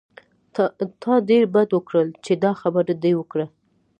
تا ډېر بد وکړل چې دا خبره دې وکړه.